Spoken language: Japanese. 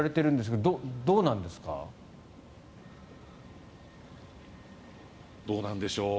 どうなんでしょう。